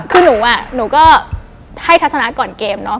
คือหนูอะหนูก็ให้ทัศนะก่อนเกมเนาะ